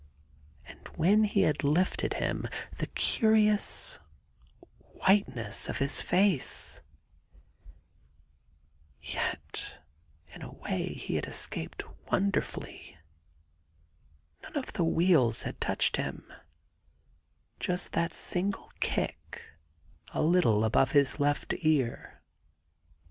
... And when he had lifted him, the curious c whiteness of his face ! Yet in a way he had escaped wonderfully. None of the wheels had touched him : just that single kick a little above his left ear.